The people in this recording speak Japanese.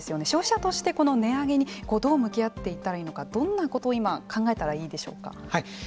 消費者として値上げにどう向き合っていったらいいかどんなことを今考えたらいいでしょうか。